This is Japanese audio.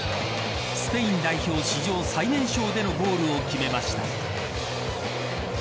スペイン代表、史上最年少でのゴールを決めました。